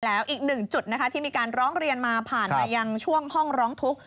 แล้วอีกหนึ่งจุดนะคะที่มีการร้องเรียนมาผ่านมายังช่วงห้องร้องทุกข์